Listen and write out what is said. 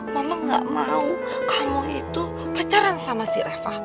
mama gak mau kamu itu pacaran sama si reva